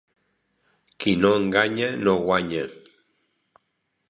Qui no enganya no guanya.